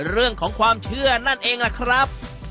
เรื่องของความเชื่อนั่นเองล่ะครับ